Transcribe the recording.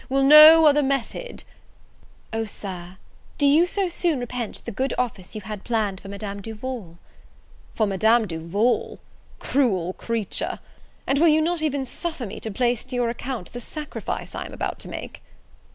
will no other method " "O, Sir, do you so soon repent the good office you had planned for Madame Duval?" "For Madame Duval! cruel creature, and will you not even suffer me to place to your account the sacrifice I am about to make?"